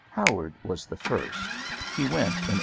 Howard was the first. He went in 1879.